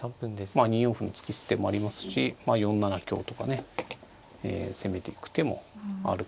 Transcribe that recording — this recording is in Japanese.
まあ２四歩の突き捨てもありますし４七香とかね攻めていく手もあると。